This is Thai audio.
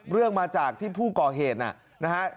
เรื่องมาจากที่ผู้ก่อเหตุนะฮะ